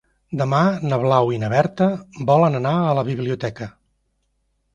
Demà na Blau i na Berta volen anar a la biblioteca.